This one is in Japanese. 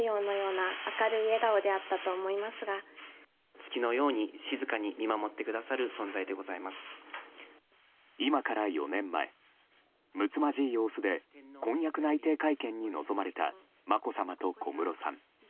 今から４年前むつまじい様子で婚約内定会見に臨まれたまこさまと小室さん。